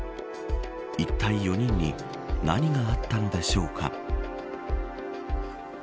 いったい４人に何があったのでしょうか。